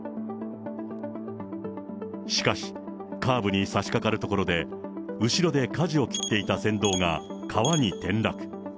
しかし、カーブにさしかかる所で後ろでかじを切っていた船頭が川に転落。